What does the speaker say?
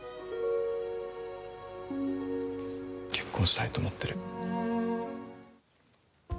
結婚したいと思ってる。